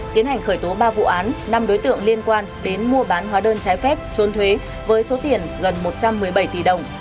tiến hành khởi tố ba vụ án năm đối tượng liên quan đến mua bán hóa đơn trái phép trôn thuế với số tiền gần một trăm một mươi bảy tỷ đồng